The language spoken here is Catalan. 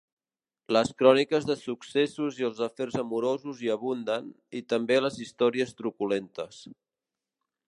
Les cròniques de successos i els afers amorosos hi abunden, i també les històries truculentes.